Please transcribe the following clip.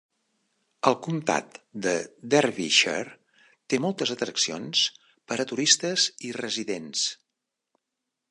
El comtat de Derbyshire té moltes atraccions per a turistes i residents.